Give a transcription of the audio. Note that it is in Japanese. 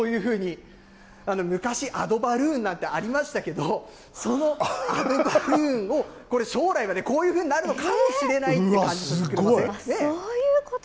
こういうふうに、昔、アドバルーンなんてありましたけど、そのアドバルーンを、これ、将来はこういうふうになるのかもしれないっうわ、すごい。